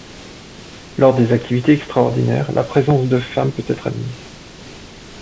Lors des activités extraordinaires, la présence de femmes peut être admise.